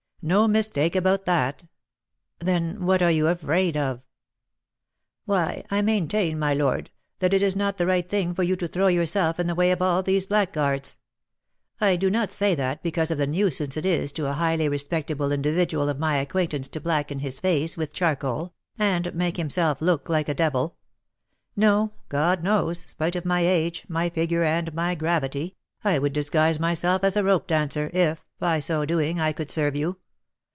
No mistake about that." "Then what are you afraid of?" "Why, I maintain, my lord, that it is not the right thing for you to throw yourself in the way of all these blackguards. I do not say that because of the nuisance it is to a highly respectable individual of my acquaintance to blacken his face with charcoal, and make himself look like a devil. No, God knows, spite of my age, my figure, and my gravity, I would disguise myself as a rope dancer, if, by so doing, I could serve you.